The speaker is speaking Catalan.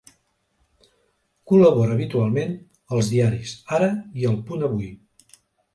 Col·labora habitualment als diaris Ara i El Punt-Avui.